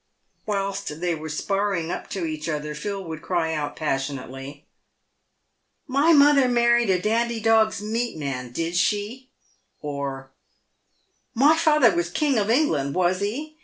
Whilst they were sparring up to each other, Phil would cry out, passionately, " My mother married a dandy dogs' meat man, did she ?" 170 PAYED WITH GOLD. or, " My fattier was King of England, was he